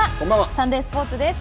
サンデースポーツです。